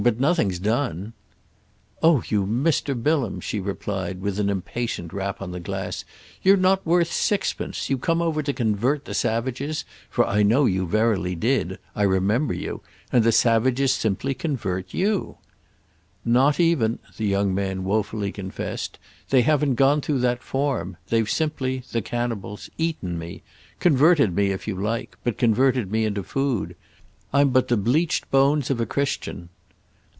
But nothing's done." "Oh you, Mr. Bilham," she replied as with an impatient rap on the glass, "you're not worth sixpence! You come over to convert the savages—for I know you verily did, I remember you—and the savages simply convert you." "Not even!" the young man woefully confessed: "they haven't gone through that form. They've simply—the cannibals!—eaten me; converted me if you like, but converted me into food. I'm but the bleached bones of a Christian."